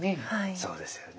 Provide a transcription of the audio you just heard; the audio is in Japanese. そうですよね。